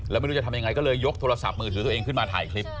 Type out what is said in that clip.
แล้วไม่รู้จะทำยังไงก็เลยยกโทรศัพท์มือถือตัวเองขึ้นมาถ่ายคลิป